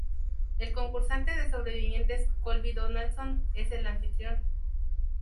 El concursante de Sobrevivientes Colby Donaldson es el anfitrión.